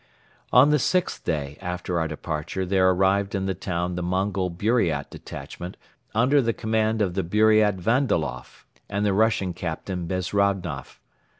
On the sixth day after our departure there arrived in the town the Mongol Buriat detachment under the command of the Buriat Vandaloff and the Russian Captain Bezrodnoff.